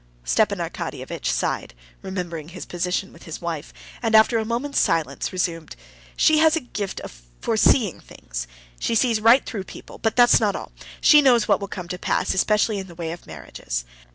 Stepan Arkadyevitch sighed, remembering his position with his wife, and, after a moment's silence, resumed—"She has a gift of foreseeing things. She sees right through people; but that's not all; she knows what will come to pass, especially in the way of marriages.